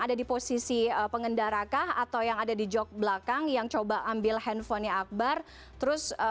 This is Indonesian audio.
ada di posisi pengendarakah atau yang ada di jok belakang yang coba ambil handphonenya akbar terus